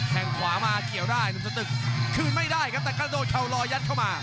งขวามาเกี่ยวได้หนุ่มสตึกคืนไม่ได้ครับแต่กระโดดเข่าลอยัดเข้ามา